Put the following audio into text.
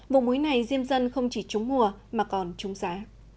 vụ muối này diêm dân không chỉ trúng mùa mà còn trúng giá